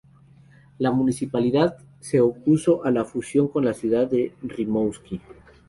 La municipalidad se opuso a la fusión con la ciudad de Rimouski.